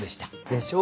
でしょ？